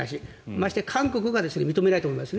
まして韓国が認めないと思います。